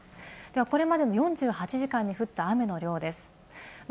これまでの４８時間に降った雨の量です。